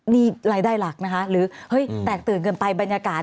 นี่รายได้หลักนะคะหรือเฮ้ยแตกตื่นเกินไปบรรยากาศ